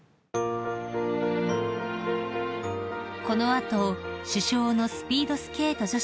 ［この後主将のスピードスケート